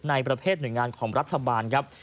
ในประเภทหน่วยงานของรัฐบาลครับ